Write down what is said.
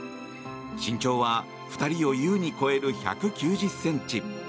身長は２人を優に超える１９０ｃｍ。